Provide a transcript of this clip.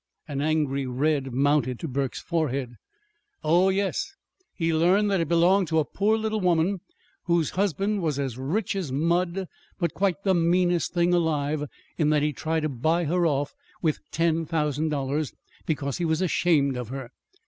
An angry red mounted to Burke's forehead. "Oh, yes; he learned that it belonged to a poor little woman whose husband was as rich as mud, but quite the meanest thing alive, in that he'd tried to buy her off with ten thousand dollars, because he was ashamed of her!